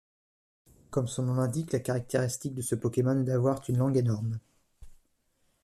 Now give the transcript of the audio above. Comme son nom l'indique, la caractéristique de ce Pokémon est d'avoir une langue énorme.